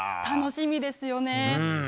楽しみですよね。